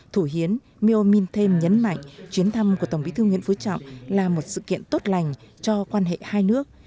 thủ hiến mio minh thêm nhấn mạnh chuyến thăm của tổng bí thư nguyễn phú trọng là một sự kiện tốt lành cho quan hệ hai nước